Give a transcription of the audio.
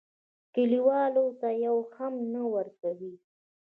کلیوالو ته یوه هم نه ورکوي.